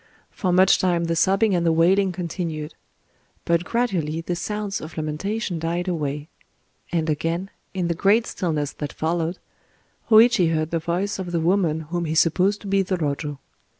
For much time the sobbing and the wailing continued. But gradually the sounds of lamentation died away; and again, in the great stillness that followed, Hōïchi heard the voice of the woman whom he supposed to be the Rōjo.